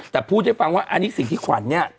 แต่พูดให้ฟังว่าอันนี้สิ่งที่ขวัญเนี่ย